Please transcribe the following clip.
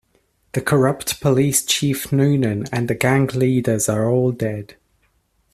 The corrupt police chief Noonan and the gang leaders are all dead.